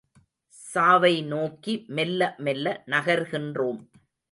சாவை நோக்கி மெல்ல மெல்ல நகர்கின்றோம்.